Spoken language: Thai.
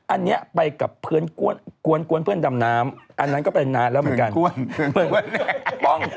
อันนี้ไปกับเพื่อนกวนเพื่อนดำน้ำอันนั้นก็เป็นนานแล้วเหมือนกัน